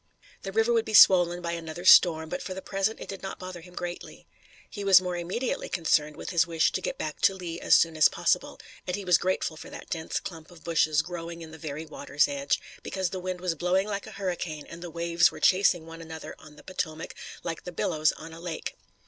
The river would be swollen by another storm, but for the present it did not bother him greatly. He was more immediately concerned with his wish to get back to Lee as soon as possible, and he was grateful for that dense clump of bushes, growing in the very water's edge, because the wind was blowing like a hurricane and the waves were chasing one another on the Potomac, like the billows on a lake.